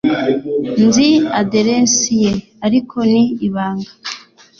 Nzi aderesi ye, ariko ni ibanga.